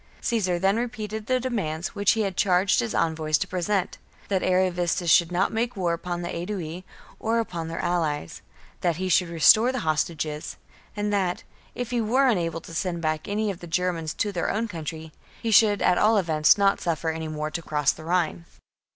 Caesar then repeated the demands which he had charged his envoys to present, — that Ariovistus should not make war upon the Aedui or upon their allies ; that he should restore the hostages ; and that, if he were unable to send back any of the Germans to their own country, he should at all events not suffer any more to cross the Rhine.